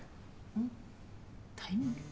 うんタイミング。